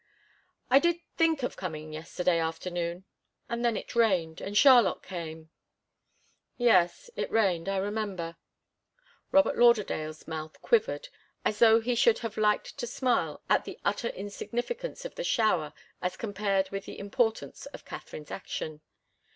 "I did think of coming yesterday afternoon and then it rained, and Charlotte came " "Yes it rained I remember." Robert Lauderdale's mouth quivered, as though he should have liked to smile at the utter insignificance of the shower as compared with the importance of Katharine's action.